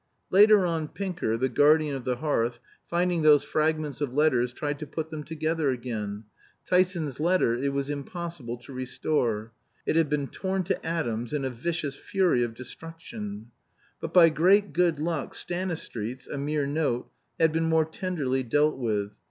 Later on Pinker, the guardian of the hearth, finding those fragments of letters tried to put them together again. Tyson's letter it was impossible to restore. It had been torn to atoms in a vicious fury of destruction. But by great good luck Stanistreet's (a mere note) had been more tenderly dealt with.